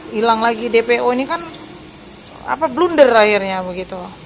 hilang lagi dpo ini kan blunder akhirnya begitu